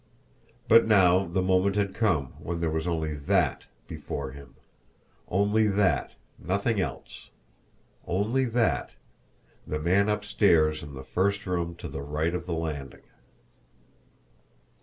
But now the moment had come when there was only THAT before him, only that, nothing else only that, the man upstairs in the first room to the right of the landing!